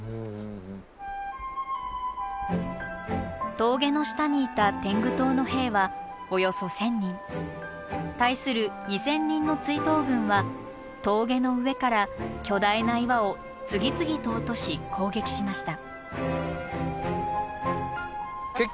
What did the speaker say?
峠の下にいた天狗党の兵はおよそ１，０００人。対する２，０００人の追討軍は峠の上から巨大な岩を次々と落とし攻撃しました。